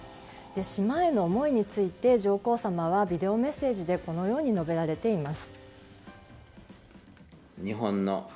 島への思いについて、上皇さまはビデオメッセージでこのように述べられています。